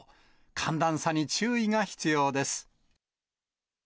寒暖差に注意が必要です。